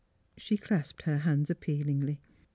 " She clasped her hands appealingly.